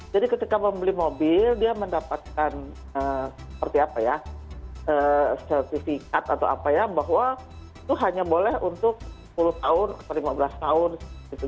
jadi ketika membeli mobil dia mendapatkan seperti apa ya sertifikat atau apa ya bahwa itu hanya boleh untuk sepuluh tahun atau lima belas tahun